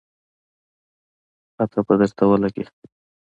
پته به درته ولګي